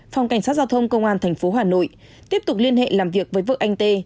phòng cảnh sát giao thông công an tp hà nội tiếp tục liên hệ làm việc với vợ anh tê